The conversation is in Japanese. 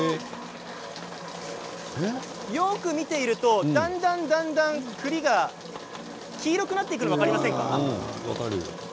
よく見ているとだんだんだんだん栗が黄色くなってくるのが分かりませんか？